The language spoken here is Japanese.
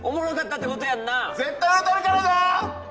絶対売れたるからな！